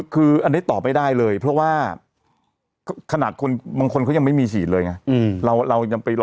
คืออันนี้ตอบไม่ได้เลยเพราะว่า